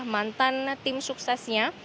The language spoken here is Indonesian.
mantan tim suksesnya